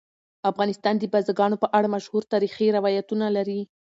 افغانستان د بزګانو په اړه مشهور تاریخی روایتونه لري.